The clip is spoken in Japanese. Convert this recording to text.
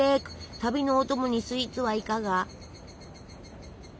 旅のお供にスイーツはいかが？